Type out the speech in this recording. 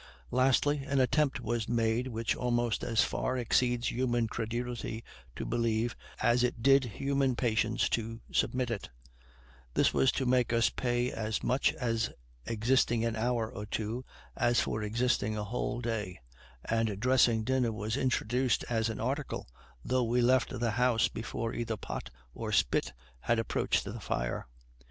Lastly, an attempt was made which almost as far exceeds human credulity to believe as it did human patience to submit to. This was to make us pay as much for existing an hour or two as for existing a whole day; and dressing dinner was introduced as an article, though we left the house before either pot or spit had approached the fire.